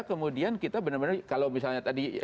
kemudian kita benar benar kalau misalnya tadi